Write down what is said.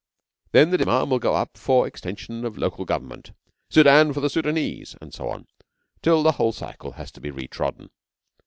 Then the demand will go up for 'extension of local government,' 'Soudan for the Soudanese,' and so on till the whole cycle has to be retrodden.